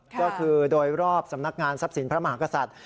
ก็คือโดยรอบสำนักงานทรัพย์สินพระมหากษัตริย์